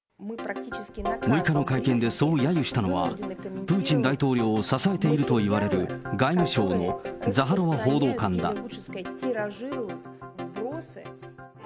６日の会見でそうやゆしたのは、プーチン大統領を支えているといわれる、外務省のザハロワ報道官だ。